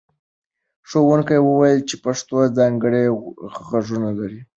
ښوونکي وویل چې پښتو ځانګړي غږونه لري.